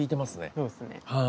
そうですね。